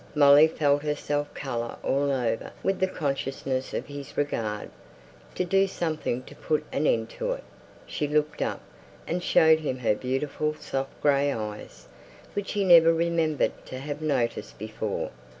Molly felt herself colour all over with the consciousness of his regard. To do something to put an end to it, she looked up, and showed him her beautiful soft grey eyes, which he never remembered to have noticed before.